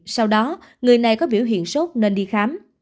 sau đó người này có biểu hiện sốt nên đi khám